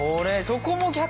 そこも逆？